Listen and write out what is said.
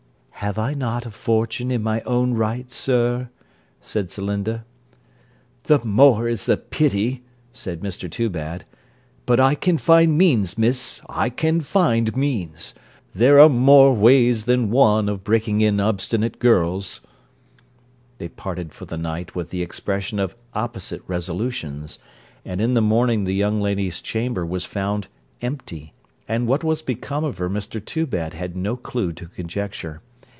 'Have I not a fortune in my own right, sir?' said Celinda. 'The more is the pity,' said Mr Toobad: 'but I can find means, miss; I can find means. There are more ways than one of breaking in obstinate girls.' They parted for the night with the expression of opposite resolutions, and in the morning the young lady's chamber was found empty, and what was become of her Mr Toobad had no clue to conjecture.